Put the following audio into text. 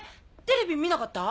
テレビ見なかった？